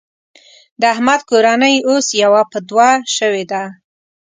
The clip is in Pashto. د احمد کورنۍ اوس يوه په دوه شوېده.